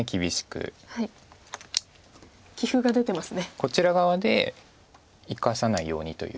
こちら側で生かさないようにという。